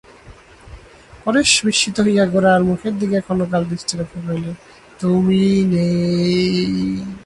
পরেশ বিস্মিত হইয়া গোরার মুখের দিকে ক্ষণকাল দৃষ্টি রাখিয়া কহিলেন, তুমি নেই।